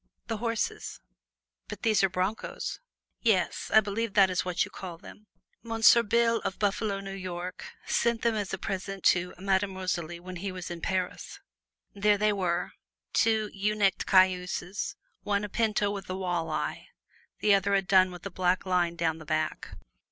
"The horses." "But these are broncos." "Yes; I believe that is what you call them. Monsieur Bill of Buffalo, New York, sent them as a present to Madame Rosalie when he was in Paris." There they were two ewe necked cayuses one a pinto with a wall eye; the other a dun with a black line down the back.